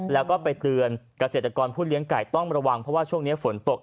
แล้วก็ไปเตือนเกษตรกรผู้เลี้ยงไก่ต้องระวังเพราะว่าช่วงนี้ฝนตก